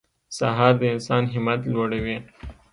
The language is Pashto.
سهار د انسان همت لوړوي.